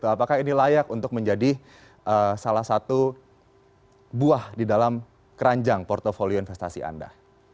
apakah ini layak untuk menjadi salah satu buah di dalam keranjang portfolio investasi anda